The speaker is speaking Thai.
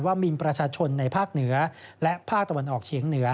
ว่ามีประชาชนในภาคเหนือและภาคตะวันออกเฉียงเหนือ